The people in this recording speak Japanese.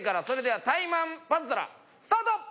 それではタイマンパズドラスタート！